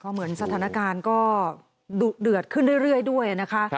เหมือนสถานการณ์ก็ดุเดือดขึ้นเรื่อยด้วยนะคะ